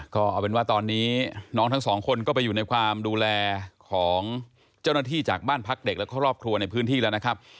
ก็เอาเป็นว่าตอนนี้น้องทั้งสองคนก็ไปอยู่ในความดูแลของเจ้าหน้าที่จากบ้านพักเด็กและครอบครัวในพื้นที่แล้วนะครับ